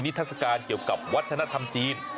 ทัศกาลเกี่ยวกับวัฒนธรรมจีน